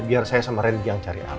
biar saya sama ren yang cari al